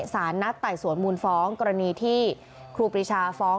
สารนัดไต่สวนมูลฟ้องกรณีที่ครูปรีชาฟ้อง